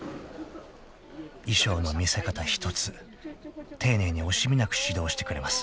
［衣装の見せ方一つ丁寧に惜しみなく指導してくれます］